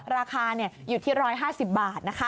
ราคาอยู่ที่๑๕๐บาทนะคะ